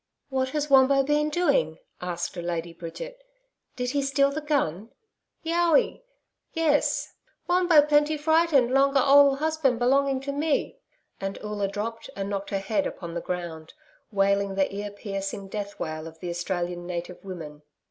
'What has Wombo been doing?' asked Lady Bridget. 'Did he steal the gun?' 'YOWI (yes). Wombo plenty frightened long a ole husband belonging to me.' And Oola dropped and knocked her head upon the ground, wailing the ear piercing death wail of the Australian native women.